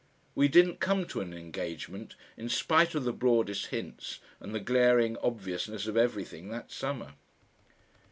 We didn't come to an engagement, in spite of the broadest hints and the glaring obviousness of everything, that summer.